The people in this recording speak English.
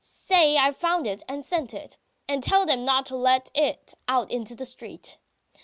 Say I found it and sent it. And tell them not to let it out into the street.